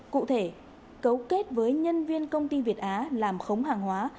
cụ thể cấu kết với nhân viên công ty việt á làm khống hàng hóa